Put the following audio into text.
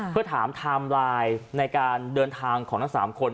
เพื่อถามไทม์ไลน์ในการเดินทางของทั้ง๓คน